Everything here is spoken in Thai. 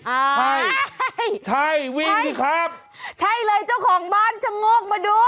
อ้าวใช่วิ่งสิครับใช่ช่องบ้านฉงกมาดู